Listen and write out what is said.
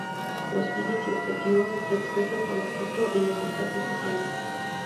Los fines y objetivos se expresan por escrito en los estatutos sociales.